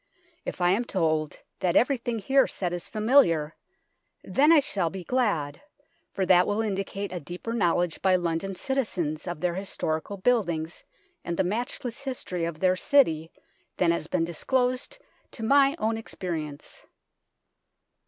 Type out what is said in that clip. If I am told that everything here said is familiar, then I shall be glad, for that will indicate a deeper knowledge by London citizens of their historical buildings and the matchless history of their city than has been disclosed to my own experience.